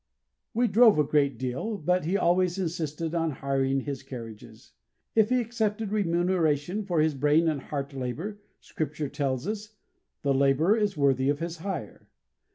We drove a great deal, but he always insisted on hiring his carriages. If he accepted remuneration for his brain and heart labour, Scripture tells us, "The labourer is worthy of his hire."